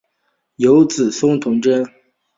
有子孙同珍。